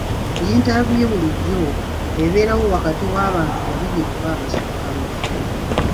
Yiintaaviyu bulijjo ebeerawo wakati w'abantu babiri oba abasukkamu.